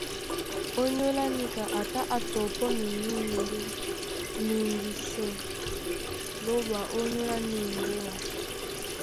Ònyólá níka a tá á tɔpɔ́ minyúnyuŋgú liŋgisɛ Lóɓa ónyólá nîn mbúa.